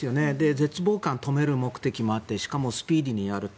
絶望感を止める目的もあってしかも、スピーディーにやると。